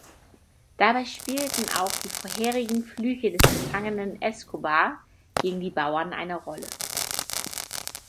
Dabei spielten auch die vorherigen Flüche des gefangenen Escobar gegen die Bauern eine Rolle.